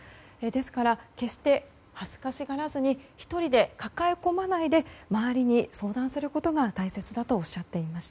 ですから決して恥ずかしがらずに１人で抱え込まないで周りに相談することが大切だとおっしゃっています。